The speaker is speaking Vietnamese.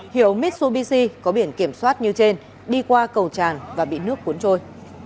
hiệu mitsubishi có biển kiểm soát như trên đi qua cầu tràn và bị nước cuốn trôi